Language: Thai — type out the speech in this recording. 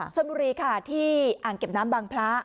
ชนบุรีค่ะที่อ่างเก็บน้ำบางพระ